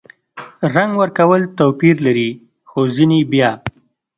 رنګ ورکول توپیر لري – خو ځینې بیا